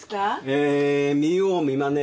えー見よう見まね。